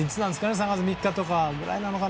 ３月３日くらいなのかな？